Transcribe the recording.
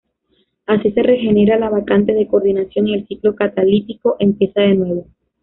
Así se regenera la vacante de coordinación y el ciclo catalítico empieza de nuevo.